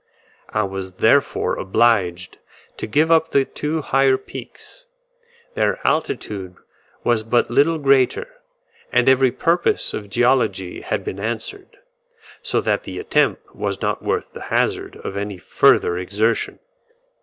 I was therefore obliged to give up the two higher peaks. Their altitude was but little greater, and every purpose of geology had been answered; so that the attempt was not worth the hazard of any further exertion.